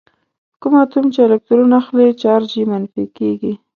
کوم اتوم چې الکترون اخلي چارج یې منفي کیږي.